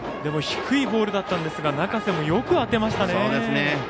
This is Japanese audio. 低いボールだったんですが中瀬もよく当てましたね。